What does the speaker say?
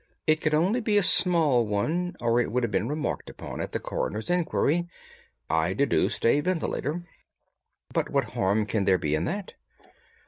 It could only be a small one, or it would have been remarked upon at the coroner's inquiry. I deduced a ventilator." "But what harm can there be in that?"